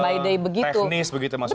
tidak yang teknis begitu maksudnya